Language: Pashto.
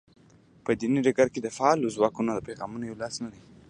په دیني ډګر کې د فعالو ځواکونو پیغامونه یو لاس نه دي.